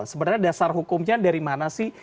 sebenarnya dasar hukumnya dari mana sih